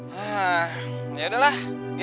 hah yaudah lah